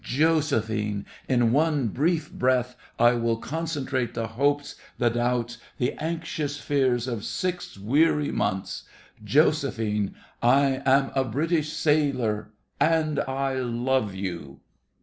Josephine, in one brief breath I will concentrate the hopes, the doubts, the anxious fears of six weary months. Josephine, I am a British sailor, and I love you!